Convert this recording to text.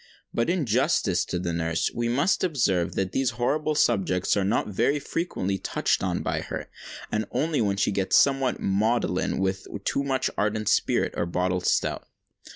But, in justice to the nurse, we must observe, that these horrible subjects are not very frequently touched on by her—and only when she gets somewhat maudlin with too much ardent spirit or bottled stout.